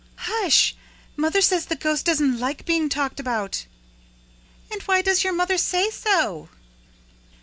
"Hush! Mother says the ghost doesn't like being talked about." "And why does your mother say so?"